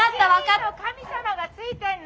「七人の神様が付いてんの！」。